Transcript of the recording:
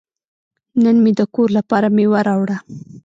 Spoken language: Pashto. نن مې د کور لپاره میوه راوړه.